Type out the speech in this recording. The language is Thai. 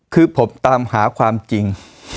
คือผมตามหาความจริง